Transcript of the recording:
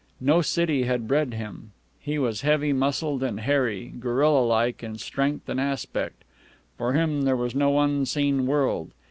No city had bred him. He was heavy muscled and hairy, gorilla like in strength and aspect. For him there was no unseen world.